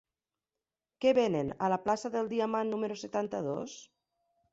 Què venen a la plaça del Diamant número setanta-dos?